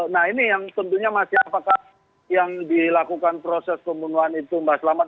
nah ini yang tentunya masih apakah yang dilakukan proses pembunuhan itu mbak selamat